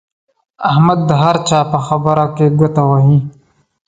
احمد د هر چا په خبره کې ګوته وهي.